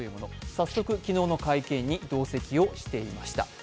早速、昨日の会見に同席をしていました。